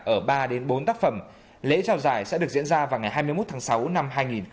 ở ba bốn tác phẩm lễ trao giải sẽ được diễn ra vào ngày hai mươi một tháng sáu năm hai nghìn một mươi năm